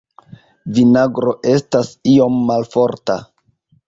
Vinagro estas iom malforta.